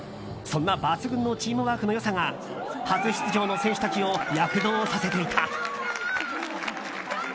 そんな抜群のチームワークの良さが初出場の選手たちを躍動させていた。